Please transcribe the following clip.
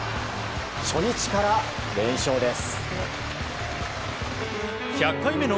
初日から連勝です。